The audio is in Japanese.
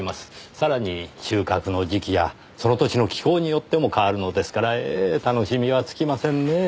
さらに収穫の時期やその年の気候によっても変わるのですから楽しみは尽きませんねぇ。